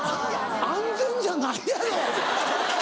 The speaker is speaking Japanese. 安全じゃないやろ！